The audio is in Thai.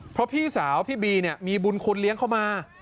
เพราะพี่สาวพี่บีมีบุญคุณเลี้ยงเข้ามา